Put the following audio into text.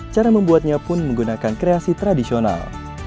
cara membuatnya pun menggunakan kreasi tradisional